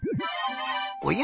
おや？